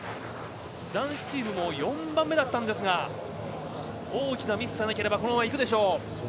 男子チームも４番目だったんですが大きなミスさえなければこのままいくでしょう。